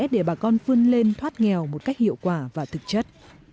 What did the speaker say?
để bà con vươn lên thoát nghèo một cách hiệu quả và thực chất